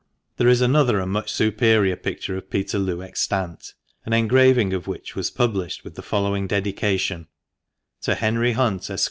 There is another and much superior picture of Peterloo extant, an engraving of which was published with the following dedication :— "TO HENRY HUNT, ESQ.